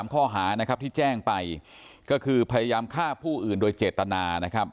ข้อหานะครับที่แจ้งไปก็คือพยายามฆ่าผู้อื่นโดยเจตนานะครับ